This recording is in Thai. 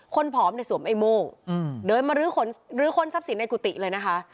คนผอมในสวมเอโมเดินมารื้อคนทรัพย์ศิลป์ในกุฏิเลยนะคะ